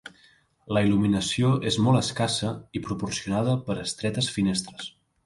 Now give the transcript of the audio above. La il·luminació és molt escassa i proporcionada per estretes finestres.